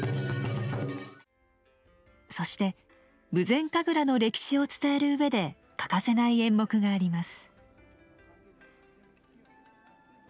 そしてぶぜん神楽の歴史を伝える上で欠かせない演目があります。